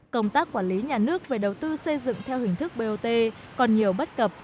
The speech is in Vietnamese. công tác quản lý nhà nước về đầu tư xây dựng theo hình thức bot còn nhiều bất cập